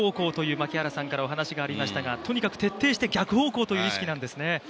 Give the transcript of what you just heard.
右方向という槙原さんからお話がありましたがとにかく徹底して逆方向という意識なんですね。